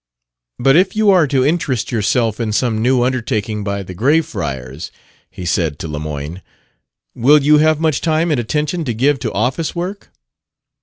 "But if you are to interest yourself in some new undertaking by 'The Grayfriars,'" he said to Lemoyne, "will you have much time and attention to give to office work?"